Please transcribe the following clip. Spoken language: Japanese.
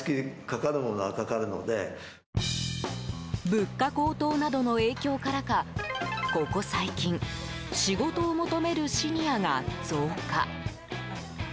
物価高騰などの影響からかここ最近仕事を求めるシニアが増加。